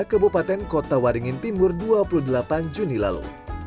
kebupaten kota waringin timur dua puluh delapan juni lalu